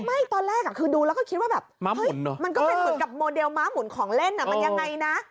ไม่ตอนแรกคือดูแล้วก็คิดว่าแบบมันก็เป็นเหมือนกับโมเดลม้าหมุนของเล่นมันยังไงนะ